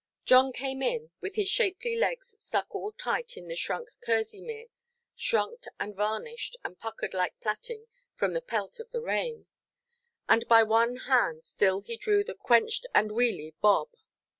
John came in, with his shapely legs stuck all tight in the shrunk kerseymere (shrunk, and varnished, and puckered like plaiting, from the pelt of the rain), and by one hand still he drew the quenched and welyy Bob.